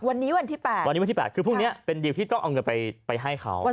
วันนี้วันที่๘คือพรุ่งนี้เป็นดีลที่ต้องเอาเงินไปให้เขา